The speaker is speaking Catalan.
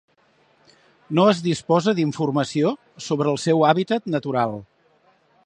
No es disposa d'informació sobre el seu hàbitat natural.